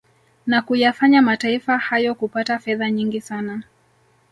Na kuyafanya mataifa hayo kupata fedha nyingi sana